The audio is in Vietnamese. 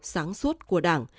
sáng suốt của đảng